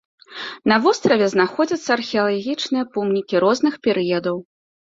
На востраве знаходзяцца археалагічныя помнікі розных перыядаў.